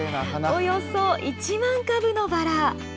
およそ１万株のバラ。